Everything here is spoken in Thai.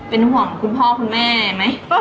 เป็นห่วงคุณพ่อคุณแม่ไหม